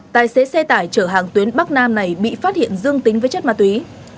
tài xế xe tải chở hàng tuyến bắc nam này bị phát hiện dương tính với chất ma túy